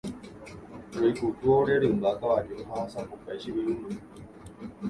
Roikutu ore rymba kavaju ha asapukái che irũme.